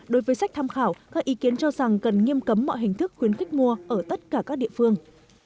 đối với sách tham khảo các ý kiến cho rằng cần nghiêm cấm mọi hình thức khuyến khích mua ở tất cả các địa phương